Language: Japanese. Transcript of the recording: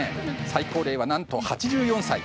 最高齢はなんと８４歳。